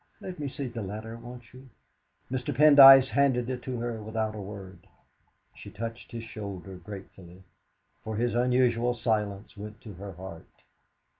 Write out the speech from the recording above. "Let me see the letter, won't you?" Mr. Pendyce handed it to her without a word. She touched his shoulder gratefully, for his unusual silence went to her heart.